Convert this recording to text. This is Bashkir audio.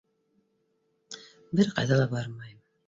Бер ҡайҙа ла бармайым!